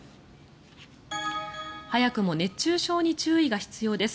早くも熱中症に注意が必要です。